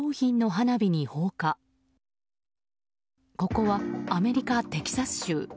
ここはアメリカ・テキサス州。